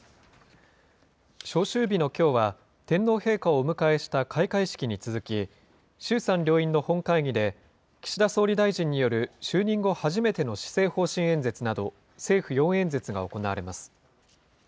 召集日のきょうは、天皇陛下をお迎えした開会式に続き、衆参両院の本会議で、岸田総理大臣による就任後初めての施政方針演説など、政府４演説が行われます。